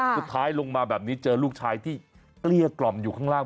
สุดท้ายลงมาแบบนี้เจอลูกชายที่เกลี้ยกล่อมอยู่ข้างล่าง